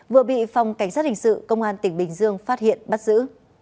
vừa bị phòng cảnh sát hình sự công an tỉnh bình dương phát hiện bắt giữ